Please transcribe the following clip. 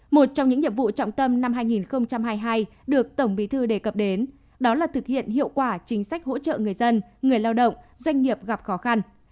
một trong những nhiệm vụ trọng tâm năm hai nghìn hai mươi hai được tổng bí thư đề cập đến đó là thực hiện hiệu quả chính sách hỗ trợ người dân người lao động doanh nghiệp gặp khó khăn